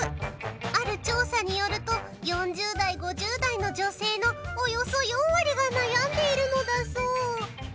ある調査によると４０代、５０代の女性のおよそ４割が悩んでいるのだそう。